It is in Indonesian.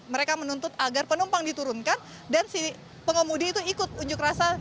mereka menuntut agar penumpang diturunkan dan si pengemudi itu ikut unjuk rasa